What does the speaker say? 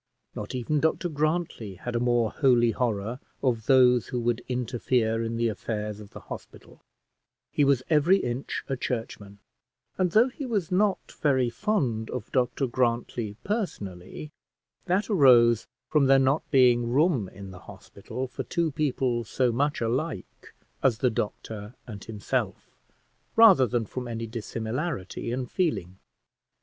Not even Dr Grantly had a more holy horror of those who would interfere in the affairs of the hospital; he was every inch a churchman, and though he was not very fond of Dr Grantly personally, that arose from there not being room in the hospital for two people so much alike as the doctor and himself, rather than from any dissimilarity in feeling.